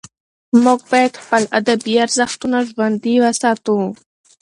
موږ باید خپل ادبي ارزښتونه ژوندي وساتو.